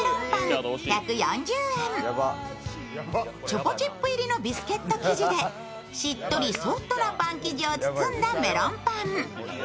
チョコチップ入りのビスケット生地でしっとりソフトなパン生地を包んだメロンパン。